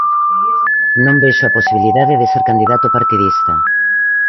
"Non vexo a posibilidade de ser candidato partidista".